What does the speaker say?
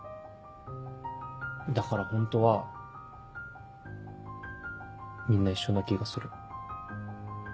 だからホントはみんな一緒な気がする。